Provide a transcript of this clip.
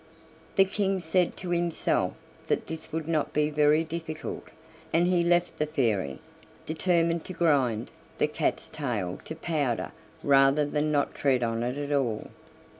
The King said to himself that this would not be very difficult, and he left the Fairy, determined to grind the cat's tail to powder rather than not tread on it at all.